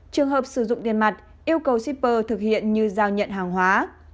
trường hợp sử dụng tiền mặt yêu cầu shipper thực hiện như giao nhận hàng hóa